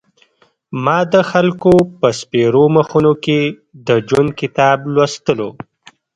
ما د خلکو په سپېرو مخونو کې د ژوند کتاب لوستلو.